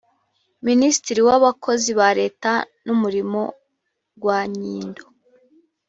minisitiri w abakozi ba leta n umurimo rwanyindo